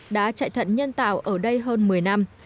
đã chạy thận nhân tạo ở đây hơn một mươi năm